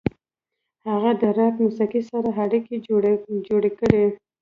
هغه د راک موسیقۍ سره اړیکې جوړې کړې.